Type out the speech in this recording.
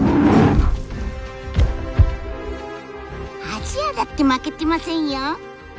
アジアだって負けてませんよ。